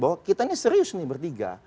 bahwa kita ini serius nih bertiga